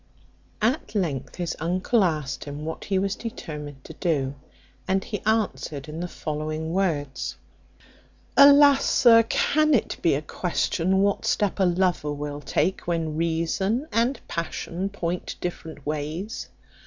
At length his uncle asked him what he was determined to do, and he answered in the following words: "Alas! sir, can it be a question what step a lover will take, when reason and passion point different ways?